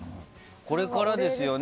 これからですよね。